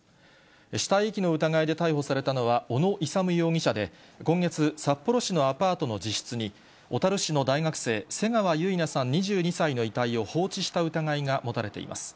死体遺棄の疑いで逮捕されたのは、小野勇容疑者で、今月、札幌市のアパートの自室に、小樽市の大学生、瀬川結菜さん２２歳の遺体を放置した疑いが持たれています。